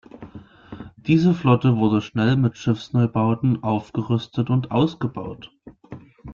Diese Flotte wurde schnell mit Schiffsneubauten aufgerüstet und ausgebaut.